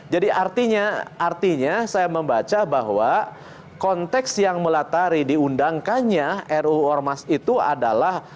jadi artinya artinya saya membaca bahwa konteks yang melatari diundangkannya ruu ormas itu adalah